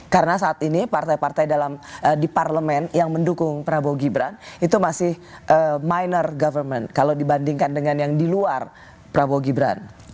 karena saat ini partai partai di parlemen yang mendukung prabowo gibran itu masih minor government kalau dibandingkan dengan yang di luar prabowo gibran